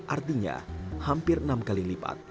artinya hampir enam kali lipat